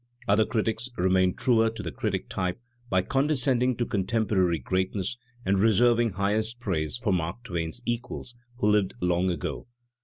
Other critics remain truer to the critic type by condescending to con temporiary greatness and reserving highest praise for Mark Twain's equals who lived long ago.